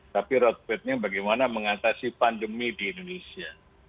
tapi road map nya bagaimana mengatasi pandemi di indonesia